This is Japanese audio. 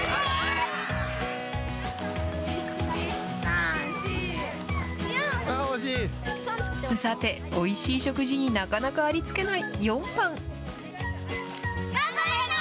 あー、さて、おいしい食事になかなかありつけない４班。